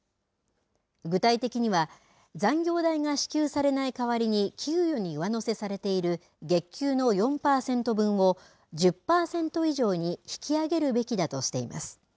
具体的には、残業代が支給されない代わりに給与に上乗せされている月給の４％分を１０％以上に引き上げるべきだとしています。